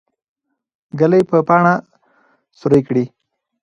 ږلۍ به پاڼه سوری کړي.